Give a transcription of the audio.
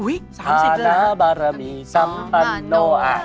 ออ่านั่นก็พูดป่าภาราม